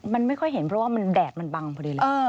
มันไม่ค่อยเห็นเพราะว่ามันแดดมันบังพอดีเลย